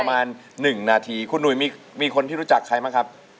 ถ้าแต่งงานนี่มันจะหายไหมเนาะ